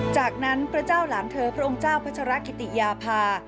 จากนั้นพระเจ้าหลานเธอพระองค์เจ้าพัชรกิติยาภา